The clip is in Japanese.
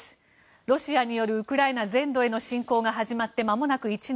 ロシアによるウクライナ全土への侵攻が始まって、まもなく１年。